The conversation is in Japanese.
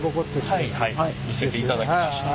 はいはい見せていただきました。